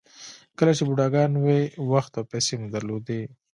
کله چې بوډاګان وئ وخت او پیسې مو درلودې.